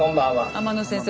天野先生